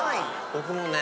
僕もね